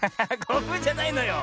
こぶじゃないのよ。